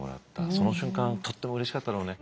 その瞬間とってもうれしかったろうね。